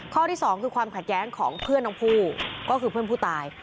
ข้อที่สองคือความขัดแย้งของเพื่อนทั้งคู่ก็คือเพื่อนผู้ตาย